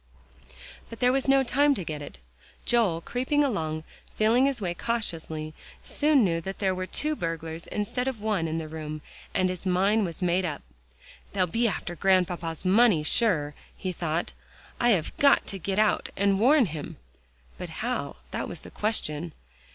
But there was no time to get it. Joel creeping along, feeling his way cautiously, soon knew that there were two burglars instead of one in the room, and his mind was made up. "They'll be after Grandpapa's money, sure," he thought. "I have got to get out, and warn him." But how? that was the question.